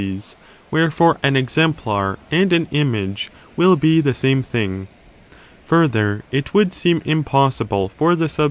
41 wherefore, an exemplar and an image will be the same thing. Further, it would seem impossible for the sub s.